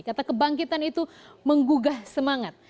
kata kebangkitan itu menggugah semangat